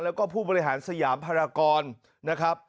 แล้วก็ผู้บริหารสยามภารกรนะครับ